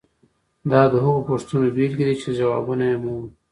دا د هغو پوښتنو بیلګې دي چې ځوابونه یې مومو.